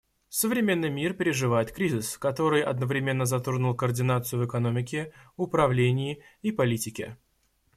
Современный мир переживает кризис, который одновременно затронул координацию в экономике, управлении и политике.